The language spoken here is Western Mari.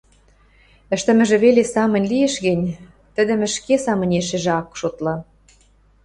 Ӹштӹмӹжӹ веле самынь лиэш гӹнь, тӹдӹм ӹшке самынешӹжӹ ак шотлы.